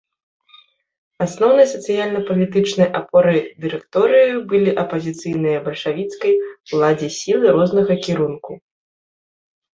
Асноўнай сацыяльна-палітычнай апорай дырэкторыі былі апазіцыйныя бальшавіцкай уладзе сілы рознага кірунку.